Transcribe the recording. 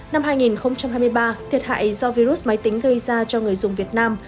năm hai nghìn hai mươi ba thiệt hại do virus máy tính gây ra cho người dùng việt nam